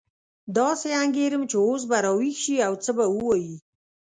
داسې انګېرم چې اوس به راویښ شي او څه به ووایي.